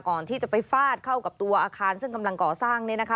ก่อนที่จะไปฟาดเข้ากับตัวอาคารซึ่งกำลังก่อสร้างเนี่ยนะคะ